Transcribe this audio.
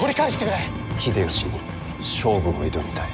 秀吉に勝負を挑みたい。